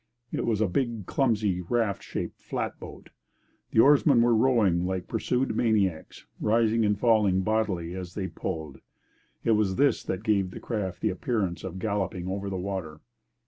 It was a big, clumsy, raft shaped flat boat. The oarsmen were rowing like pursued maniacs, rising and falling bodily as they pulled. It was this that gave the craft the appearance of galloping over the water.